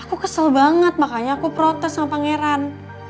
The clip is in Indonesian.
aku kesel banget makanya aku protes sama pangeran